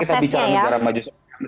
ketika kita bicara bicara maju